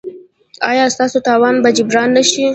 ایا ستاسو تاوان به جبران نه شي؟